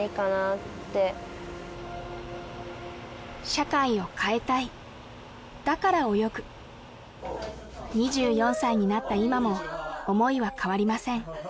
社会を変えたいだから泳ぐ２４歳になった今も思いは変わりません